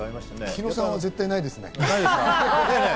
日野さんは絶対ないですね。